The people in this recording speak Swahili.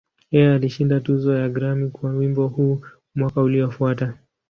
Yeye alishinda tuzo ya Grammy kwa wimbo huu mwaka uliofuata.